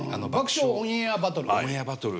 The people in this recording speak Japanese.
「オンエアバトル」。